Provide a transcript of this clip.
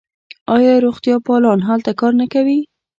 آیا روغتیاپالان هلته کار نه کوي؟